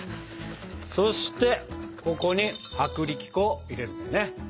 そしてここに薄力粉を入れるんだね。